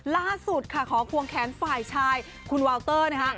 ล่าสุดค่ะขอควงแขนฝ่ายชายคุณวาวเตอร์นะคะ